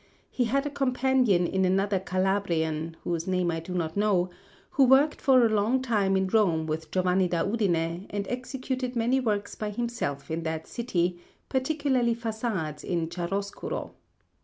He had a companion in another Calabrian (whose name I do not know), who worked for a long time in Rome with Giovanni da Udine and executed many works by himself in that city, particularly façades in chiaroscuro.